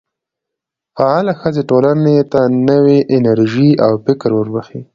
فعاله ښځې ټولنې ته نوې انرژي او فکر وربخښي.